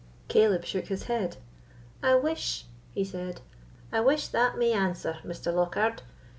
Caleb shook his head. "I wish," he said—"I wish that may answer, Mr. Lockhard.